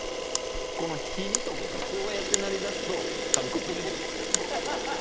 この肘とかがこうやってなりだすと紙コップ出てくるのよ。